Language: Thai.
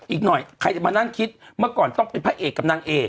อีกหน่อยใครจะมานั่งคิดเมื่อก่อนต้องเป็นพระเอกกับนางเอก